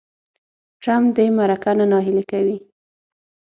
ټرمپ دې مرکه نه نهیلې کوي.